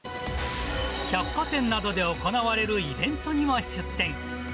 百貨店などで行われるイベントにも出店。